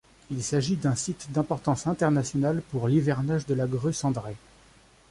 Il s'agit d'un site d'importance internationale pour l'hivernage de la grue cendrée.